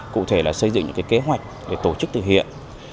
cụ thể là xây dựng những kế hoạch để tổ chức thực hiện